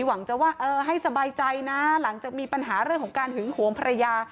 หวังจะว่าเออให้สบายใจนะหลังจากมีปัญหาเรื่องของการหึงหวงภรรยา